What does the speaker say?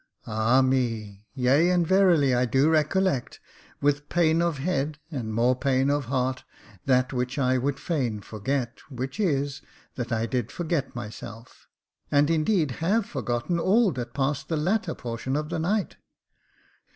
" Ah me ! yea, and verily, I do recollect — with pain of head and more pain of heart — that which I would fain forget, which is, that I did forget myself ; and indeed have forgotten all that passed the latter portion of the night.